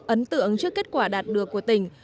ấn tượng trước kết quả đạt được của tỉnh